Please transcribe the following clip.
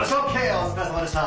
おつかれさまでした。